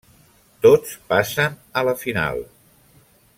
Tots passen a la final.